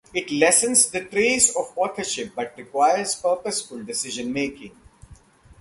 It lessens the trace of authorship but requires purposeful decision making.